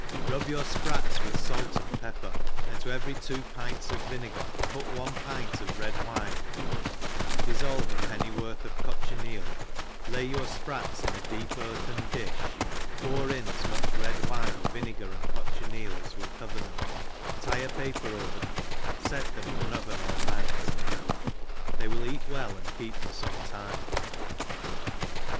IP RUB your fprats with fait and pepper, and to every two pints of vinegar put one pint of red wine, diflblve a penny worth of cochineal, lay your fprats in a deep earthen drfh, pouf in as much red wine, vinegar, and cochineal as will cover them, tie a paper over them» fet them in an oven all night. — They will eat well, and keep for feme time.